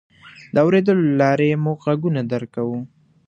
د اورېدلو له لارې موږ غږونه درک کوو.